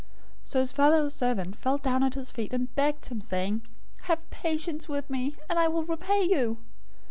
018:029 "So his fellow servant fell down at his feet and begged him, saying, 'Have patience with me, and I will repay you!'